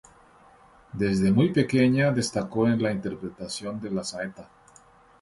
Desde muy pequeña destacó en la interpretación de la saeta.